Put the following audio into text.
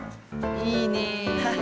いいね。